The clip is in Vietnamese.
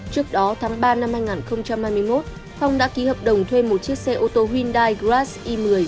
trước đó tháng ba năm hai nghìn hai mươi một phong đã ký hợp đồng thuê một chiếc xe ô tô hyundai grassi i một mươi